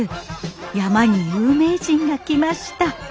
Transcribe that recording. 山に有名人が来ました。